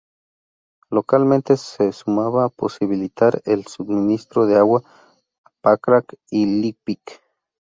Localmente se sumaba posibilitar el suministro de agua a Pakrac y Lipik.